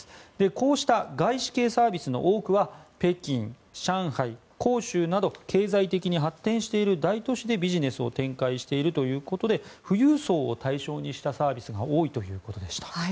こうした外資系サービスの多くは北京、上海、広州など経済的に発展している大都市でビジネスを展開しているということで富裕層を対象にしたサービスが多いということでした。